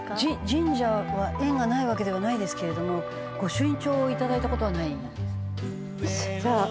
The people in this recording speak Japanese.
「神社は縁がないわけではないですけれども御朱印帳を頂いた事はない」よし。